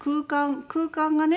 空間がね